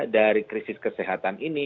dari krisis kesehatan ini